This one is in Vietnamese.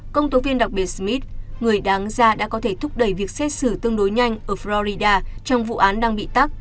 công tố viên đặc biệt smith người đáng ra đã có thể thúc đẩy việc xét xử tương đối nhanh ở florida trong vụ án đang bị tắc